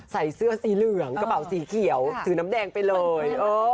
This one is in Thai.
ใส่เสื้อสีเหลืองกระเป๋าสีเขียวถือน้ำแดงไปเลย